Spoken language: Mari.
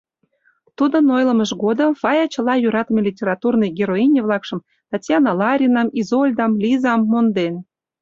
Тудын ойлымыж годым Фая чыла йӧратыме литратурный героине-влакшым: Татьяна Ларинам, Изольдам, Лизам — монден.